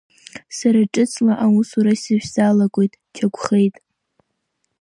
Сара ҿыцла аусура сышәзалагоит, Чагәхеит.